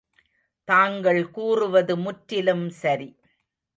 தாங்கள் கூறுவது முற்றிலும் சரி.